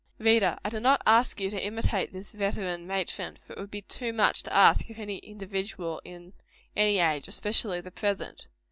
Reader, I do not ask you to imitate this veteran matron; for it would be too much to ask of any individual in any age, especially the present.